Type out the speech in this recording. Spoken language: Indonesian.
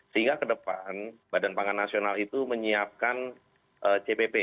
sehingga ke depan badan pangan nasional itu menyiapkan cpp